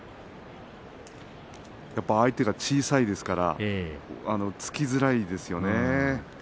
相手が小さいですから突きづらいですよね。